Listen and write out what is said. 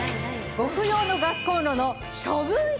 ご不要のガスコンロの処分費用